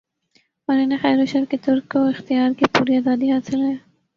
اور انھیں خیروشر کے ترک و اختیار کی پوری آزادی حاصل ہے